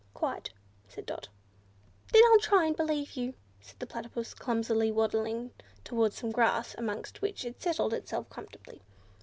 "Quite," said Dot. "Then I'll try to believe you," said the Platypus, clumsily waddling towards some grass, amongst which it settled itself comfortably.